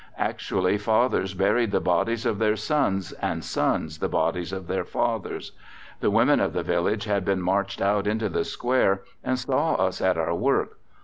Actually fathers buried the bodies of their sons and sons the bodies of their fathers. The women of the village had been marched out into the Square, and saw us at our work.